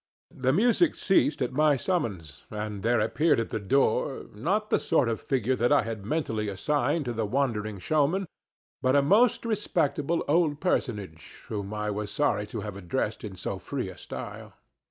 The music ceased at my summons, and there appeared at the door, not the sort of figure that I had mentally assigned to the wandering showman, but a most respectable old personage whom I was sorry to have addressed in so free a style.